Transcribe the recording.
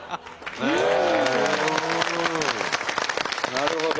なるほど。